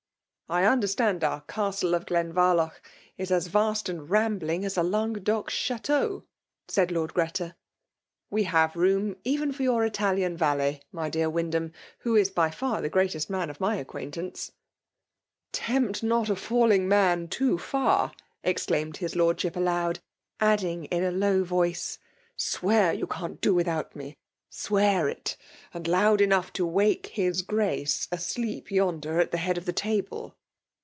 '* I understand our Oastle of GlenVartoobTis as vast and rambling as a Langueddc •cha" teau,'' said Lord Greta. "We hav6.:rQ<lm ySllAXK BOMIKATION. 193 0VM far yoar Italian Yalet, tny dear Wyndham, viikf> ia by far the greatest man of my ac qoMnianee." " Tempt not a falling man too far I " ex claimed his Lordship aloud; adding, in a low voie^, *' Swear you can't do without me Hsiwear it^^and loud cnpugh to wake his Grace^ asleep yonder at the head of the table."